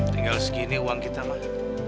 tinggal segini uang kita mah